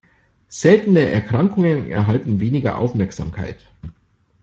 Seltene Erkrankungen erhalten weniger Aufmerksamkeit.